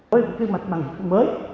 với cái mặt bằng mới